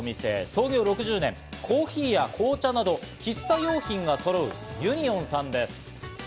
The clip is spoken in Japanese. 創業６０年、コーヒーや紅茶などを喫茶用品がそろうユニオンさんです。